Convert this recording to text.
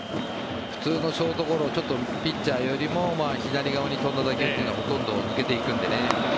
普通のショートゴロピッチャーよりも左側に飛んだ打球というのはほとんど抜けていくのでね。